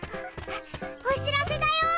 おしらせだよー！